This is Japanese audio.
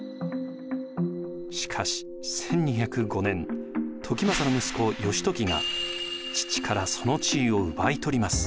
しかし１２０５年時政の息子義時が父からその地位を奪い取ります。